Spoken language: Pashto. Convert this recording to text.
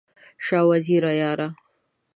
شاه وزیره یاره!